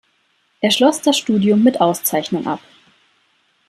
Er schloss das Studium mit Auszeichnung ab.